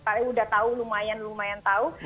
kalian udah tahu lumayan lumayan tahu